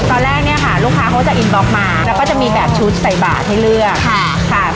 ตอนแรกเนี่ยค่ะลูกค้าเขาจะอินบล็อกมาแล้วก็จะมีแบบชุดใส่บาทให้เลือกค่ะค่ะ